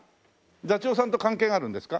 座長さんと関係があるんですか？